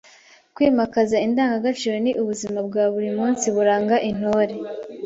Kwimakaza indangagaciro ni ubuzima bwa buri munsi buranga intore